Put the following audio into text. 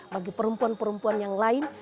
bagi perempuan perempuan yang lain